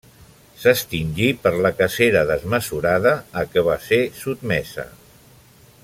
S'extingí per la cacera desmesurada a què va ser sotmesa.